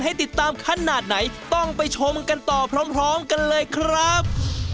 ให้ติดตามขนาดไหนต้องไปชมกันต่อพร้อมกันเลยครับ